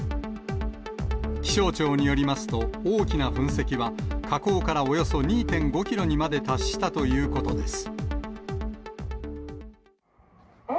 気象庁によりますと、大きな噴石は火口からおよそ２．５キロにまで達したということです。